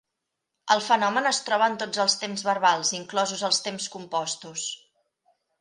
El fenomen es troba en tots els temps verbals, inclosos els temps compostos.